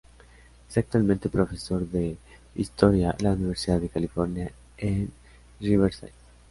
Es actualmente profesor de historia a la Universidad de California en Riverside.